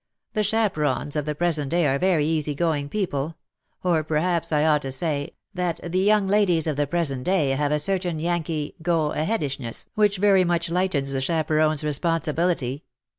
" The chaperons of the present day are very easy going people — or, perhaps I ought to say, that the young ladies of the present day have a certain Yankee go a headishness which very much lightens the chaperon^s responsibility.